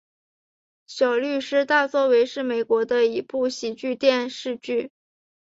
小律师大作为是美国的一部喜剧电视剧。